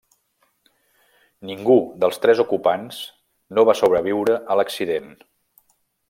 Ningú dels tres ocupants no va sobreviure a l'accident.